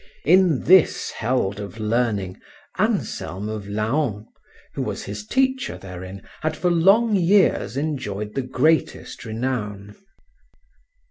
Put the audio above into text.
In this held of learning Anselm of Laon, who was his teacher therein, had for long years enjoyed the greatest renown.